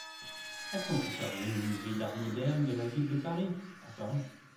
Elles sont conservées au musée d'Art moderne de la ville de Paris, à Paris.